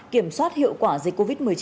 kiểm soát hiệu quả dịch covid một mươi chín